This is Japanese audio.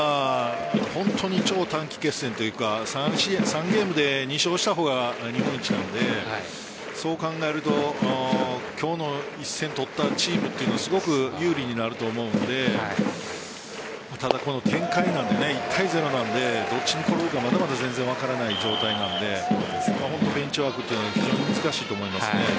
本当に超短期決戦というか３ゲームで２勝した方が日本一なのでそう考えると今日の一戦を取ったチームはすごく有利になると思うのでただ、この展開なので１対０なのでどっちに転ぶかまだまだ全然分からない状態なのでベンチワークは非常に難しいと思います。